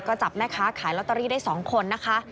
ก็จับแม่ค้าขายลอตเตอรี่ได้๒คนนะคะ